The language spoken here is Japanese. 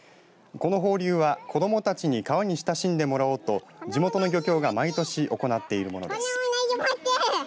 この放流は子どもたちに川に親しんでもらおうと地元の漁協が毎年行っているものです。